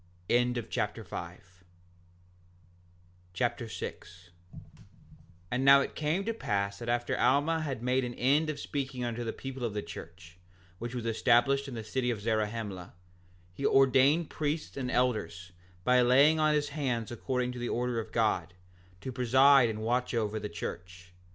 Alma Chapter 6 6:1 And now it came to pass that after Alma had made an end of speaking unto the people of the church, which was established in the city of Zarahemla, he ordained priests and elders, by laying on his hands according to the order of God, to preside and watch over the church.